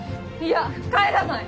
嫌帰らない！